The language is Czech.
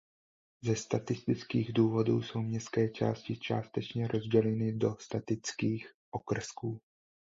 Ze statistických důvodů jsou městské části částečně rozděleny do "statistických okrsků".